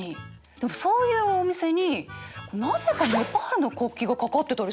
でもそういうお店になぜかネパールの国旗が掛かってたりするんだよな。